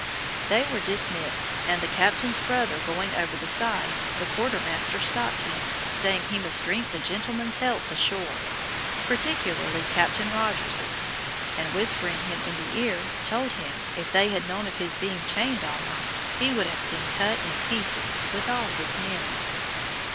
They were dismissed, and the captain's brother going over the side, the quarter master stopped him, saying, he must drink the gentlemen's health ashore, particularly Captain Rogers' and, whispering him in the ear, told him, if they had known of his being chained all night, he would have been cut in pieces, with all his men.